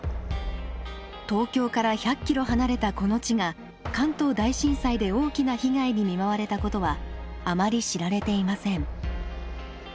東京から１００ｋｍ離れたこの地が関東大震災で大きな被害に見舞われたことはあまり知られていません。